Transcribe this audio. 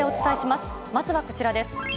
まずはこちらです。